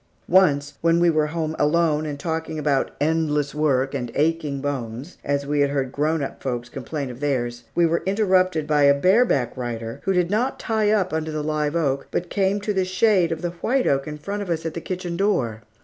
Once, when we were at home alone and talking about "endless work and aching bones," as we had heard grown up folks complain of theirs, we were interrupted by a bareback rider who did not "tie up" under the live oak, but came to the shade of the white oak in front of us at the kitchen door.